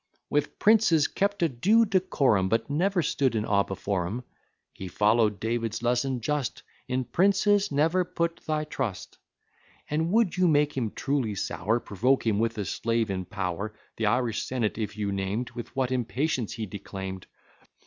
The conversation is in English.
"With princes kept a due decorum, But never stood in awe before 'em. He follow'd David's lesson just; In princes never put thy trust: And would you make him truly sour, Provoke him with a slave in power. The Irish senate if you named, With what impatience he declaim'd!